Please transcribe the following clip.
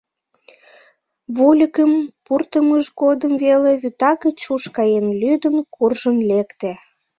Вольыкым пуртымыж годым веле вӱта гыч уш каен лӱдын куржын лекте.